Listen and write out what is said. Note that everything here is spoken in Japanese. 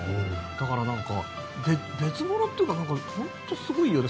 だから、別物というか本当すごいよね。